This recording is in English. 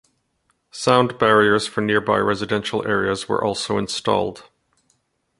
Sound barriers for nearby residential areas were also installed.